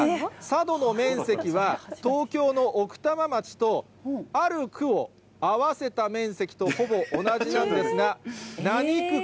佐渡の面積は東京の奥多摩町とある区を合わせた面積とほぼ同じな区？